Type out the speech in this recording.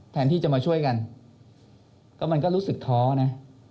แทนที่จะมาช่วยกันก็มันก็รู้สึกท้อนะ